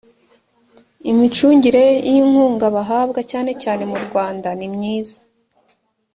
imicungire y inkunga bahabwa cyane cyane murwanda nimyiza